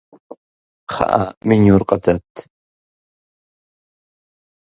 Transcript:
Кхъыӏэ, менюр къыдэтыт!